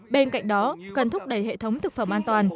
bên cạnh đó cần thúc đẩy hệ thống thực phẩm an toàn